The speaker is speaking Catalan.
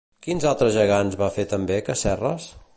Quins altres gegants va fer també Casserras?